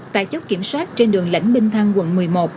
tại chốt kiểm soát trên đường lãnh minh thăng quận một mươi một